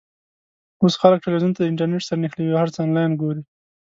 اوس خلک ټلویزیون د انټرنېټ سره نښلوي او هر څه آنلاین ګوري.